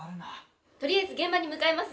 とりあえず現場に向かいます。